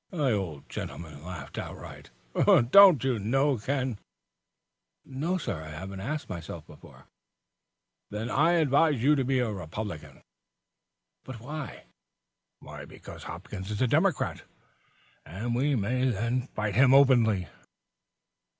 The old gentleman laughed outright. "Don't you know, Ken?" "No, sir, I haven't asked myself before." "Then I advise you to be a Republican." "Why?" "Because Hopkins is a Democrat, and we may then fight him openly."